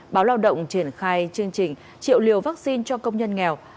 báo lao động triển khai chương trình triệu liều vaccine cho công nhân nghèo